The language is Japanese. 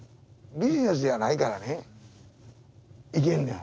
ビジネスじゃないからねいけんのや。